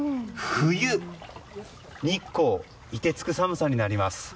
冬、日光凍てつく寒さになります。